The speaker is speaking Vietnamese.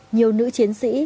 nhiều nữ chiến sĩ